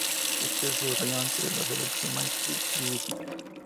Esta historia se desarrolla antes de los eventos de "Mankind Divided".